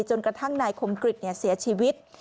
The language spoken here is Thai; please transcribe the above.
จนกระทั่งนายคมกริจเสียชีวิต